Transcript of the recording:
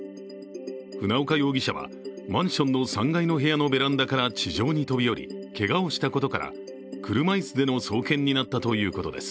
船岡容疑者は、マンションの３階の部屋のベランダから地上に飛び降りけがをしたことから、車椅子での送検になったということです。